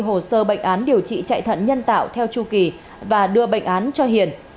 hồ sơ bệnh án điều trị chạy thận nhân tạo theo chu kỳ và đưa bệnh án cho hiền